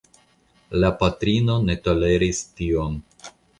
La patrino ne toleris tion.